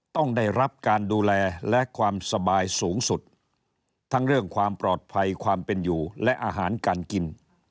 ต้องได้รับการดูแลและความสบายสูงสุดทั้งเรื่องความปลอดภัยความเป็นอยู่และอาหารการกิน